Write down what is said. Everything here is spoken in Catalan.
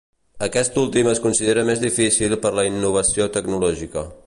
Aquest últim es considera més difícil per a la innovació tecnològica.